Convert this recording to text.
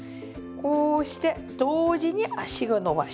こうして同時に足を伸ばし。